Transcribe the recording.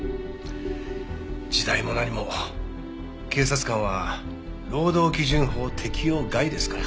時代も何も警察官は労働基準法適用外ですから。